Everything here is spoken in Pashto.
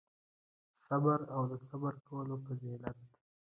صبر او د صبر کولو فضیلت